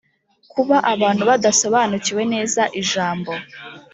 kuba abantu badasobanukiwe neza ijambo